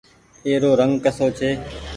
ايرو رنگ ڪسو ڇي۔